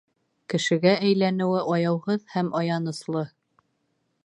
Кешегә әйләнеүе аяуһыҙ һәм аяныслы.